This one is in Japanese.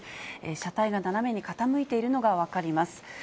車体が斜めに傾いているのが分かります。